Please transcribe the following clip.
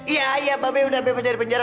iya iya mbak be udah ambil penjara penjara